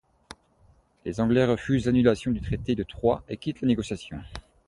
Les Anglais refusent l'annulation du traité de Troyes et quittent la négociation.